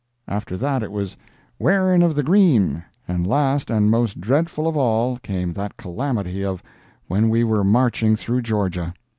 After that it was "Wearin' of the Green." And last and most dreadful of all, came that calamity of "When We Were Marching Through Georgia."